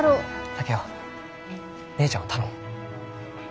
竹雄姉ちゃんを頼む。